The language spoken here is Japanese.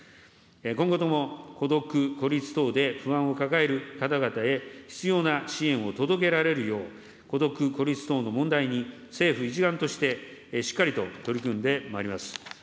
今後とも、孤独・孤立等で不安を抱える方々へ必要な支援を届けられるよう、孤独・孤立等の問題に政府一丸として、しっかりと取り組んでまいります。